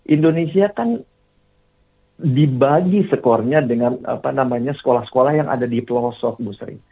indonesia kan dibagi skornya dengan sekolah sekolah yang ada di pelosok bu sri